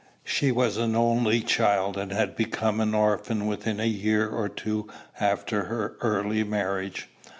She was an only child, and had become an orphan within a year or two after her early marriage.